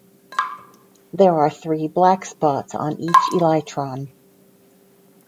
There are three black spots on each elytron.